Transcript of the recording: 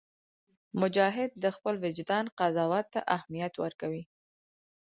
مجاهد د خپل وجدان قضاوت ته اهمیت ورکوي.